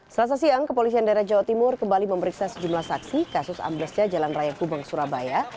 selasa siang kepolisian daerah jawa timur kembali memeriksa sejumlah saksi kasus amblesnya jalan raya gubeng surabaya